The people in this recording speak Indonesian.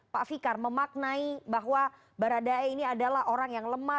pak fikar memaknai bahwa baradae ini adalah orang yang lemah